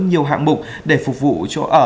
nhiều hạng mục để phục vụ chỗ ở